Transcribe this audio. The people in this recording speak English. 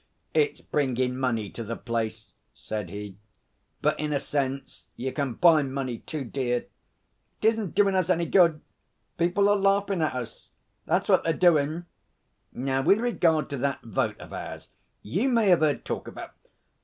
'It's bringin' money to the place,' said he. 'But in a sense you can buy money too dear. It isn't doin' us any good. People are laughin' at us. That's what they're doin'.... Now, with regard to that Vote of ours you may have heard talk about....'